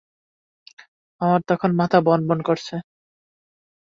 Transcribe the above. আমার তখন মাথা বনবন করছে।